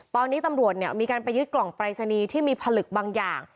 ตอนนี้ตำรวจมีการไปยึดกล่องปรายศนีย์ที่มีผลึกบางอย่าง